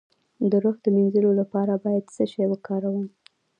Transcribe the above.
د روح د مینځلو لپاره باید څه شی وکاروم؟